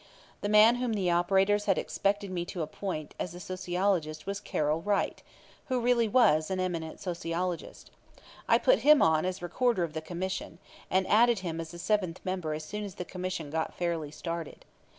The man whom the operators had expected me to appoint as the sociologist was Carroll Wright who really was an eminent sociologist. I put him on as recorder of the Commission, and added him as a seventh member as soon as the Commission got fairly started.